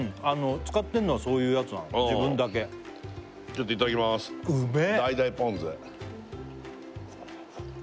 使ってんのはそういうやつなの自分だけちょっといただきますうめえ！